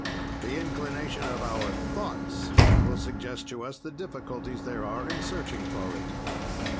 "The inclination of our thoughts will suggest to us the difficulties there are in searching for it.